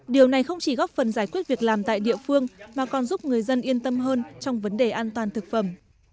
điều này không chỉ góp phần giải quyết việc làm tại địa phương mà còn giúp người dân yên tâm hơn trong vấn đề an toàn thực phẩm